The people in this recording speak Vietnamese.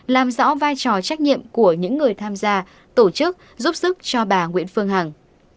làm rõ vai trò trách nhiệm của những người tham gia tổ chức giúp sức cho bà nguyễn phương hằng